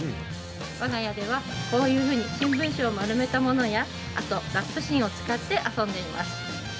わが家ではこういうふうに新聞紙を丸めたものやラップ芯を使って遊んでいます。